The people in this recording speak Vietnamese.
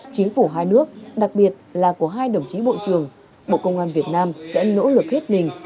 chính phủ hai nước đặc biệt là của hai đồng chí bộ trưởng bộ công an việt nam sẽ nỗ lực hết mình